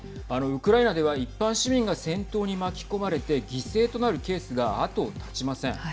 ウクライナでは一般市民が戦闘に巻き込まれて犠牲となるケースが後を絶ちません。